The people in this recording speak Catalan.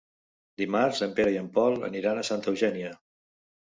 Dimarts en Pere i en Pol aniran a Santa Eugènia.